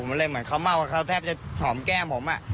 มันเลยเหมือนเขาเมากับเขาแทบจะหอมแก้มผม